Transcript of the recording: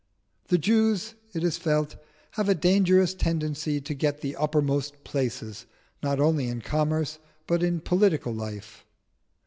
"The Jews," it is felt, "have a dangerous tendency to get the uppermost places not only in commerce but in political life.